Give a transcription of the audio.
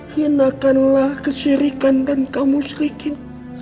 hinakanlah kesirikan dan kaum musrikin